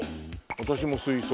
私も水槽。